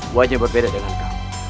buatnya berbeda dengan kau